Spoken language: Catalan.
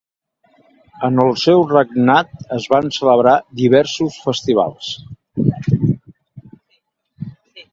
En el seu regnat es van celebrar diversos festivals.